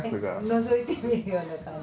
のぞいてみるような感じ。